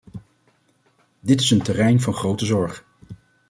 Dit is een terrein van grote zorg.